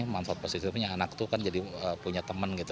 manfaat positifnya anak itu kan jadi punya teman gitu